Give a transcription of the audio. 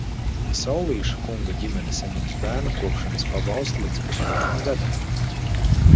Saulīša kunga ģimene saņems bērna kopšanas pabalstu līdz pusotram gadam.